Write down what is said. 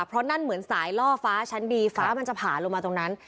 เพราะนั่นเหมือนสายล่อฟ้าชั้นดีฟ้ามันจะผ่าลงมาตรงนั้น